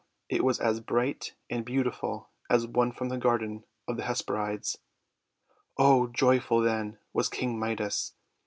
it was as bright and beautiful as one from the Garden of the Hesperides. Oh, joyful, then, was King Midas!